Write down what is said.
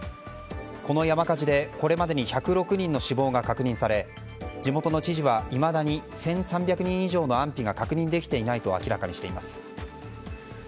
この山火事で、これまでに１０６人の死亡が確認され地元の知事は、いまだに１３００人以上の安否が確認できていないと明らかにしています。